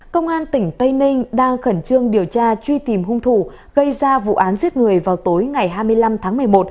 công an tỉnh tây ninh đang khẩn trương điều tra truy tìm hung thủ gây ra vụ án giết người vào tối ngày hai mươi năm tháng một mươi một